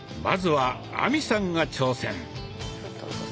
まずは亜美さんが挑戦。